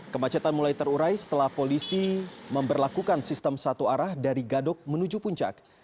kemacetan mulai terurai setelah polisi memperlakukan sistem satu arah dari gadok menuju puncak